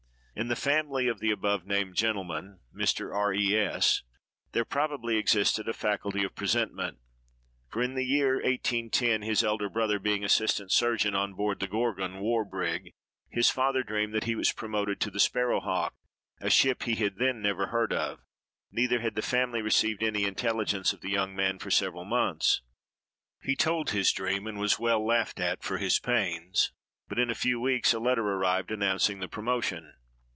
In the family of the above named gentleman (Mr. R—— E—— S——), there probably existed a faculty of presentiment; for, in the year 1810, his elder brother being assistant surgeon on board the "Gorgon," war brig, his father dreamed that he was promoted to the "Sparrowhawk," a ship he had then never heard of—neither had the family received any intelligence of the young man for several months. He told his dream, and was well laughed at for his pains; but in a few weeks a letter arrived announcing the promotion.